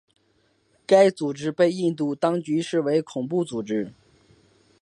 该组织被印度当局视为恐怖组织。